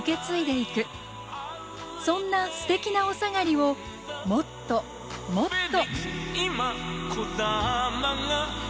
そんなステキなおさがりをもっともっと。